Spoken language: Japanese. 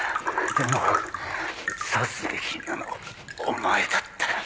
でも刺すべきなのはお前だった。